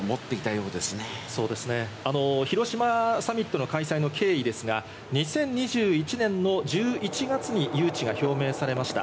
そうですね、広島サミットの開催の経緯ですが、２０２１年の１１月に誘致が表明されました。